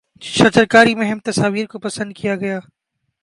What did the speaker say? شجرکاری مہم تصاویر کو پسند کیا گیا